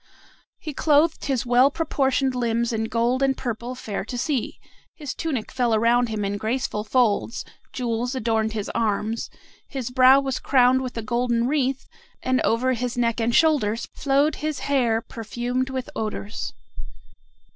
He clothed his well proportioned limbs in gold and purple fair to see, his tunic fell around him in graceful folds, jewels adorned his arms, his brow was crowned with a golden wreath, and over his neck and shoulders flowed his hair perfumed with odors.